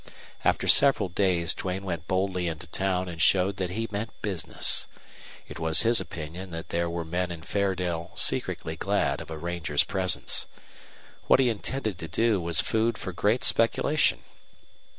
After several days Duane went boldly into town and showed that he meant business. It was his opinion that there were men in Fairdale secretly glad of a ranger's presence. What he intended to do was food for great speculation.